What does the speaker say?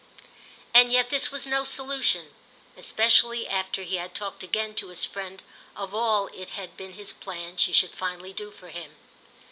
And yet this was no solution, especially after he had talked again to his friend of all it had been his plan she should finally do for him.